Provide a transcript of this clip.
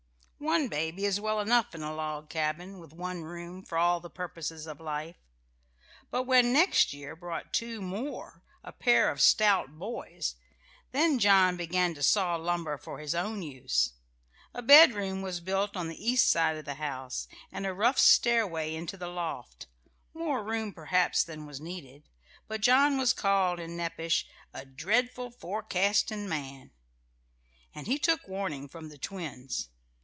One baby is well enough in a log cabin, with one room for all the purposes of life; but when next year brought two more, a pair of stout boys, then John began to saw lumber for his own use. A bedroom was built on the east side of the house, and a rough stairway into the loft more room perhaps than was needed; but John was called in Nepash "a dre'dful forecastin' man," and he took warning from the twins.